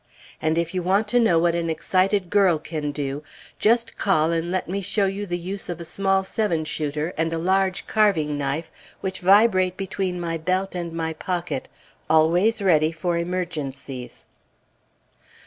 And if you want to know what an excited girl can do, just call and let me show you the use of a small seven shooter and a large carving knife which vibrate between my belt and my pocket, always ready for emergencies.